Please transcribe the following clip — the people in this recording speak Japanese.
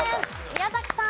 宮崎さん。